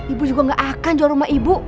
ibu juga gak akan jual rumah ibu